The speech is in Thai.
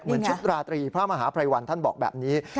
เหมือนชุดราตรีพระมหาภัยวันท่านบอกแบบนี้